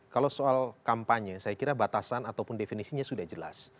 kalau soal kampanye saya kira batasan ataupun definisinya sudah jelas